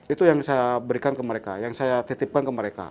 itu yang saya berikan ke mereka yang saya titipkan ke mereka